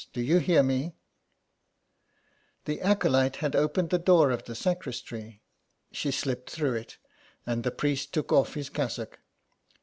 Do you hear me ?" The acolyte had opened the door of the sacristy, she sHpped through it, and the priest took off his cassock.